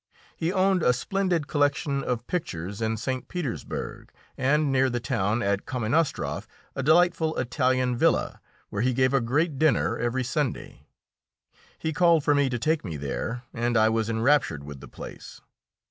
He owned a splendid collection of pictures in St. Petersburg, and near the town, at Kaminostroff, a delightful Italian villa, where he gave a great dinner every Sunday. He called for me to take me there, and I was enraptured with the place.